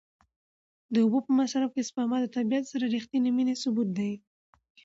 د اوبو په مصرف کې سپما د طبیعت سره د رښتینې مینې ثبوت دی.